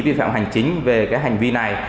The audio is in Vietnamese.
vi phạm hành chính về cái hành vi này